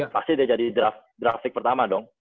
pasti dia jadi draft draft pick pertama dong